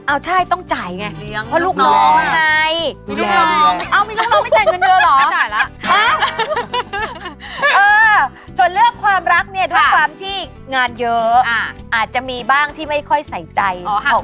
อาจจะมีบ้านที่ไม่ค่อยใส่ใจ